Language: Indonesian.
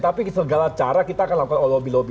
tapi segala cara kita akan lakukan lobby lobby